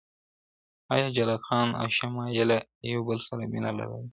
ایا جلات خان او شمایله یو بل سره مینه لرله؟